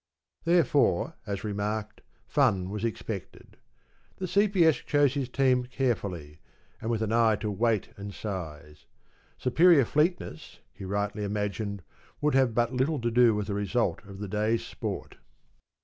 ’ Therefore, as remarked, fun was expected. The C.P.S. chose his team carefully, and with an eye to weight and size. Superior fleetness, he rightly imagined, would have but little to do with the result of the day's sport.